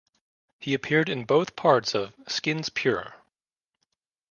He appeared in both parts of "Skins Pure".